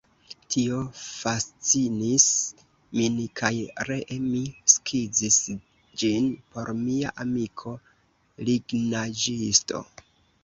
Tio fascinis min kaj ree mi skizis ĝin por mia amiko lignaĵisto.